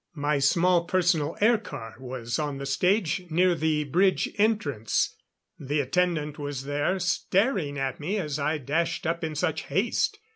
My small personal air car was on the stage near the bridge entrance. The attendant was there, staring at me as I dashed up in such haste.